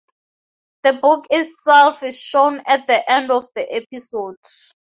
The book itself is shown at the end of the episode.